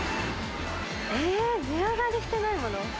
えー、値上がりしていないもの？